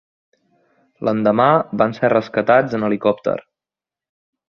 L'endemà van ser rescatats en helicòpter.